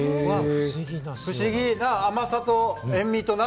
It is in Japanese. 不思議な甘さと塩味が。